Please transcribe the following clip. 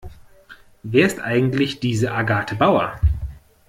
Wer ist eigentlich diese Agathe Bauer?